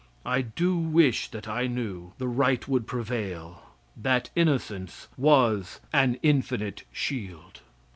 I do wish that I knew the right would prevail that innocence was an infinite shield.